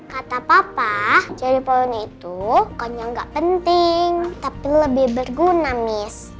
kata papa jadi pohon itu pokoknya gak penting tapi lebih berguna miss